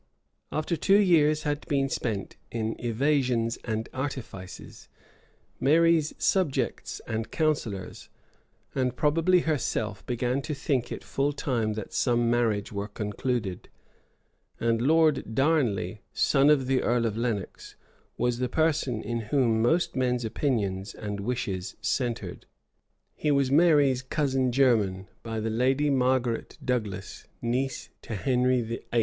* Melvil, p, 49, 50., Keith, p 264. After two years had been spent in evasions and artifices, Mary's subjects and counsellors, and probably herself, began to think it full time that some marriage were concluded; and Lord Darnley, son of the earl of Lenox, was the person in whom most men's opinions and wishes centred. He was Mary's cousin german, by the lady Margaret Douglas, niece to Henry VIII.